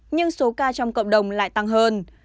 nhưng số ca trong cộng đồng lại tăng hơn